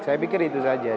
saya pikir itu saja